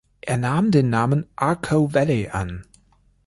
Er nahm den Namen "Arco-Valley" an.